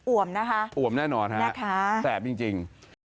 วมนะคะอวมแน่นอนฮะนะคะแสบจริง